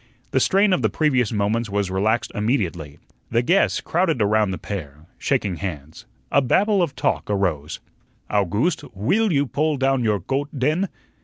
The strain of the previous moments was relaxed immediately, the guests crowded around the pair, shaking hands a babel of talk arose. "Owgooste, WILL you pull down your goat, den?"